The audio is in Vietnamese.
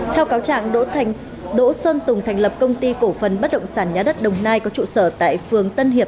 theo cáo trạng đỗ xuân tùng thành lập công ty cổ phần bất động sản nhà đất đồng nai có trụ sở tại phường tân hiệp